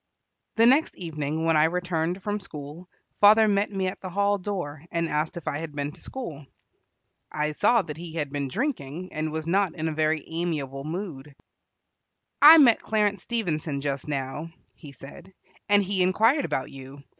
The next evening, when I returned from school, father met me at the hall door, and asked if I had been to school. I saw that he had been drinking, and was not in a very amiable mood. "I met Clarence Stevenson just now," he said, "and he inquired about you.